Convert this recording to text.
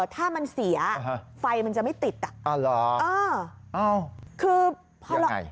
ถ้ามันเสียฟัยมันจะไม่ติดอ่าอ่าเหรอเอ่ออ้าวคือยังไง